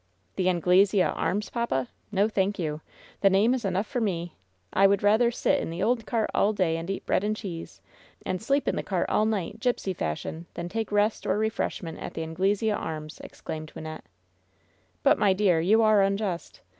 " The Anglesea Arms,' papa ? No, thank you. The name is enough for me. I would rather sit in the old cart all day and eat bread and cheese, and sleep in the cart all night, gypsy fashion, than take rest or refresh ment at the Anglesea Arms," exclaimed Wynnette. LOVE'S BITTEREST CUP 207 "But, my dear, you are unjust.